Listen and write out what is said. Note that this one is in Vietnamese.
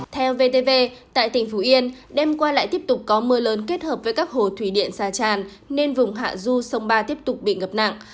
theo vtv tại tỉnh phú yên đêm qua lại tiếp tục có mưa lớn kết hợp với các hồ thủy điện xa tràn nên vùng hạ du sông ba tiếp tục bị ngập nặng